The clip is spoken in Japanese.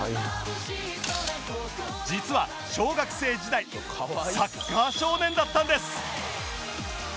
実は小学生時代サッカー少年だったんです